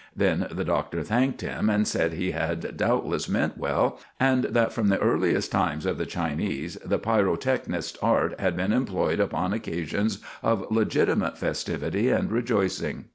Then the Doctor thanked him, and said he had doubtless meant well, and that from the earliest times of the Chinese the pyrotechnist's art had been employed upon occasions of legitimate festivity and rejoicing.